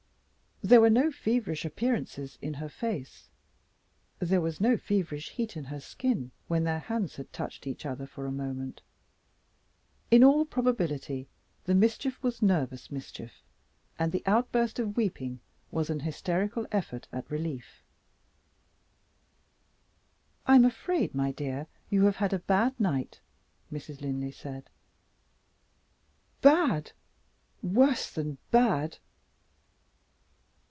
There were no feverish appearances in her face, there was no feverish heat in her skin when their hands had touched each other for a moment. In all probability the mischief was nervous mischief, and the outburst of weeping was an hysterical effort at relief. "I am afraid, my dear, you have had a bad night," Mrs. Linley said. "Bad? Worse than bad!"